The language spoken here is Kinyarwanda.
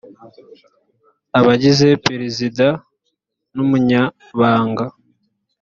abagize perezida n umunyabanga